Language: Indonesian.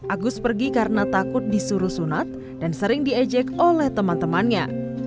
agus pergi karena takut disuruh sunat dan sering diejek oleh teman temannya